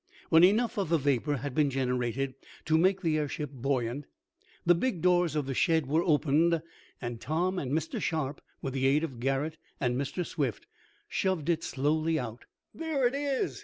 When enough of the vapor had been generated to make the airship buoyant, the big doors of the shed were opened, and Tom and Mr. Sharp, with the aid of Garret and Mr. Swift, shoved it slowly out. "There it is!